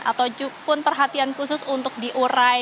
ataupun perhatian khusus untuk diurai